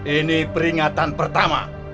ini peringatan pertama